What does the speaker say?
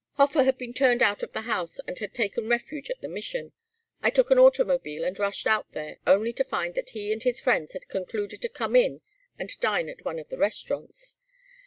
"Hofer had been turned out of the house and had taken refuge at the Mission. I took an automobile and rushed out there, only to find that he and his friends had concluded to come in and dine at one of the restaurants.